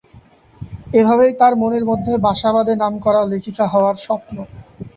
এভাবেই তার মনের মধ্যে বাসা বাঁধে নামকরা লেখিকা হওয়ার স্বপ্ন।